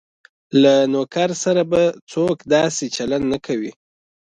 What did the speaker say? له نوکر سره به څوک داسې چلند نه کوي.